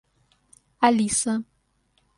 Алиса